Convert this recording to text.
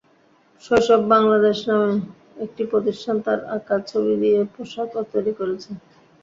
শৈশব বাংলাদেশ নামে একটি প্রতিষ্ঠান তার আঁকা ছবি দিয়ে পোশাকও তৈরি করেছে।